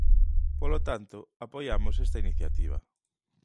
Polo tanto, apoiamos esta iniciativa.